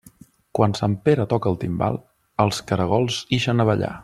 Quan sant Pere toca el timbal, els caragols ixen a ballar.